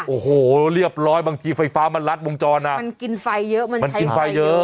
โอ้โหเรียบร้อยบางทีไฟฟ้ามันรัดวงจรอ่ะมันกินไฟเยอะมันกินไฟเยอะ